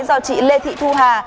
do chị lê thị thu hà